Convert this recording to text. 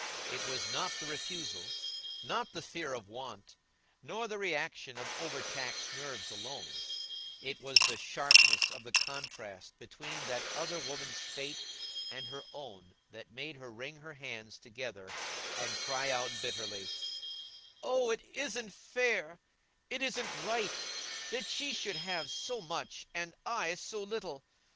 It was not the refusal, not the fear of want, nor the reaction of overtaxed nerves alone; it was the sharpness of the contrast between that other woman's fate and her own that made her wring her hands together, and cry out, bitterly: "Oh, it isn't fair, it isn't right, that she should have so much and I so little!